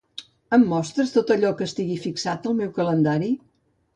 Em mostres tot allò que estigui fixat al meu calendari?